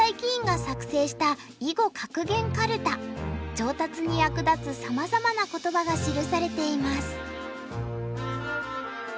上達に役立つさまざまな言葉が記されています。